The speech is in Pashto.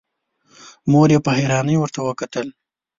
مور يې په حيرانی ورته وکتل.